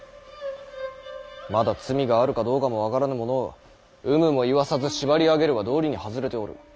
まだ罪があるかどうかも分からぬ者を有無も言わさず縛り上げるは道理に外れておる。